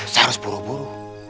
saya harus buru buru